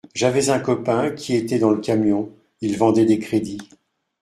J’avais un copain qui était dans le camion, il vendait des crédits